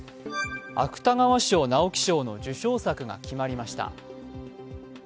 芥川賞・直木賞の受賞作が決まりました。